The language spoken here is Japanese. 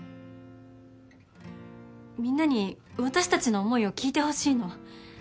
みんなに私たちの思いを聞いてほしいの。